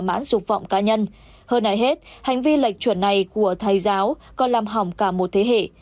mãn sụp vọng cá nhân hơn ai hết hành vi lệch chuẩn này của thầy giáo còn làm hỏng cả một thế hệ